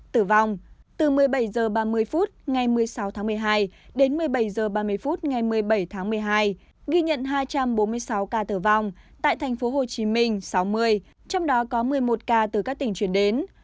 từ một mươi bảy h ba mươi phút ngày một mươi sáu tháng một mươi hai đến một mươi bảy h ba mươi phút ngày một mươi bảy tháng một mươi hai ghi nhận hai trăm bốn mươi sáu ca tử vong tại thành phố hồ chí minh sáu mươi trong đó có một mươi một ca từ các tỉnh chuyển đến